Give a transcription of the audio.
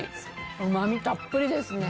うまみたっぷりですね。